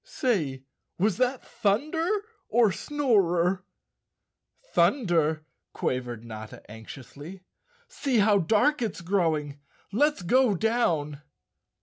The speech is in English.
Say, was that thunder or Snorer?" "Thunder," quavered Notta anxiously. "See how dark it's growing I Let's go down!